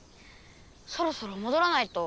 そろそろもどらないと。